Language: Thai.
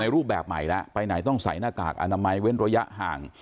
รูปแบบใหม่แล้วไปไหนต้องใส่หน้ากากอนามัยเว้นระยะห่าง